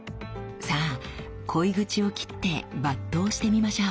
さあ鯉口を切って抜刀してみましょう。